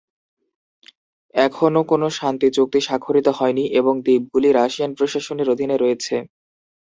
এখনো কোন শান্তি চুক্তি স্বাক্ষরিত হয়নি, এবং দ্বীপগুলি রাশিয়ান প্রশাসনের অধীনে রয়েছে।